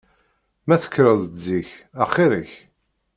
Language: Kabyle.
Ma tekkreḍ-d zik axir-ik.